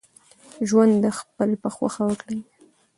ژوند دخپل په خوښه وکړئ